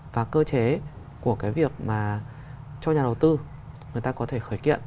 và cơ chế của cái việc mà cho nhà đầu tư người ta có thể khởi kiện